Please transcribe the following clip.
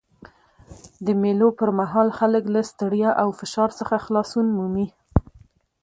د مېلو پر مهال خلک له ستړیا او فشار څخه خلاصون مومي.